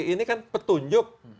ini kan petunjuk